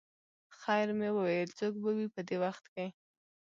خیر مې وویل څوک به وي په دې وخت.